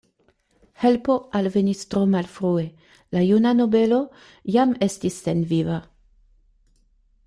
Helpo alvenis tro malfrue; la juna nobelo jam estis senviva.